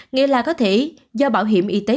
nghĩa là có thể do bảo hiểm y tế